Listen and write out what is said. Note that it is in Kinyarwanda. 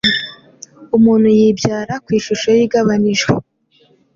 Umuntu yibyara Ku ishusho ye igabanijwe.